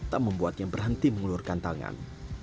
tak membuatnya berhenti mengelurkan tangan